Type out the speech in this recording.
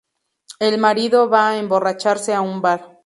El marido va a emborracharse a un bar.